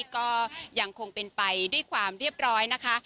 ก็ยังคงเป็นไปด้วยความเรียบร้อยนะคะ